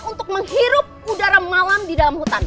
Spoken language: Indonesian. untuk menghirup udara malam di dalam hutan